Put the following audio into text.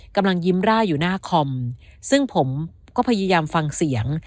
กำลังยิ้มร่ายอยู่หน้าคอมซึ่งผมก็พยายามฟังเสียง